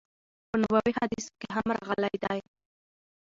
په نبوی حادثو کی هم راغلی دی